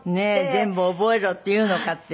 全部覚えろっていうのかっていう。